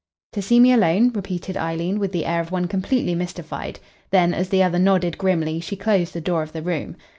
"To see me alone?" repeated Eileen, with the air of one completely mystified. Then, as the other nodded grimly, she closed the door of the room.